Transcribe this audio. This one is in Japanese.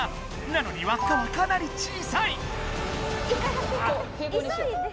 なのにわっかはかなり小さい！